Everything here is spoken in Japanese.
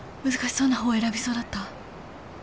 難しそうな方選びそうだった